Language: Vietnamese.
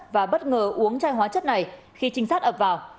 và bất ngờ uống chai hóa chất này khi trinh sát ập vào